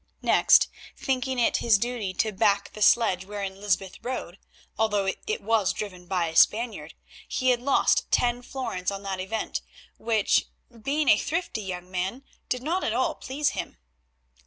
Next, thinking it his duty to back the sledge wherein Lysbeth rode, although it was driven by a Spaniard, he had lost ten florins on that event, which, being a thrifty young man, did not at all please him.